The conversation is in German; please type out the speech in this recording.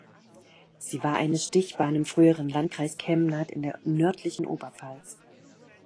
Sie war eine Stichbahn im früheren Landkreis Kemnath in der nördlichen Oberpfalz.